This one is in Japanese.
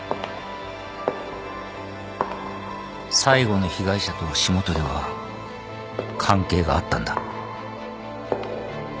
最後の被害者と霜鳥は関係があったんだ。